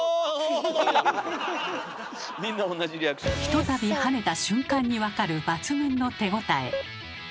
一たび跳ねた瞬間に分かる抜群の手応え。